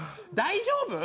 大丈夫？